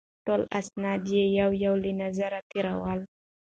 ټول اسناد یې یو یو له نظره تېرول.